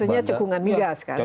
maksudnya cekungan migas kan